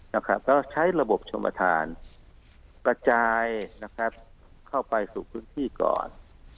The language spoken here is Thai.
แล้วก็ใช้ระบบชมประธานกระจายเข้าไปสู่พื้นที่ก่อน